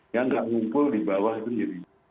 yang tidak mengumpul di bawah itu menjadi